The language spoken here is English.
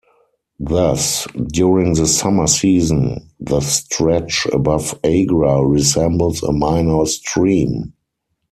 Thus, during the summer season, the stretch above Agra resembles a minor stream.